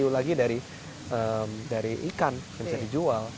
beneran bisa ada high value lagi dari ikan yang bisa dijual